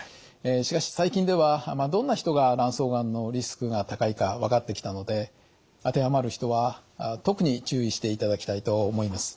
しかし最近ではどんな人が卵巣がんのリスクが高いか分かってきたので当てはまる人は特に注意していただきたいと思います。